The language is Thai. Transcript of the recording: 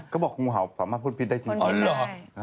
ก็บอกคุณห่าวสามารถพูดผิดได้จริงได้